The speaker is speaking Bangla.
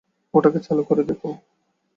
ওটাকে চালু করে দেখো।